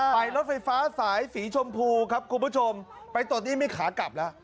รถไฟฟ้าสายสีชมพูครับคุณผู้ชมไปตรวจนี้มีขากลับแล้ว